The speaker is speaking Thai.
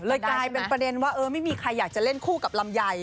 กลายเป็นประเด็นว่าเออไม่มีใครอยากจะเล่นคู่กับลำไย